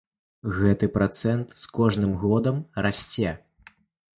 Гэты працэнт з кожным годам расце.